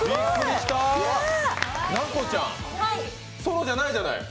奈子ちゃん、ソロじゃないじゃない？